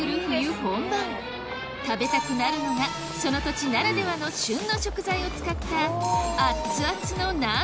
本番食べたくなるのがその土地ならではの旬の食材を使ったアッツアツの鍋